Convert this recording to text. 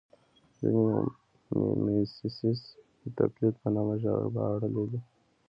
ځینې میمیسیس د تقلید په مانا ژباړلی دی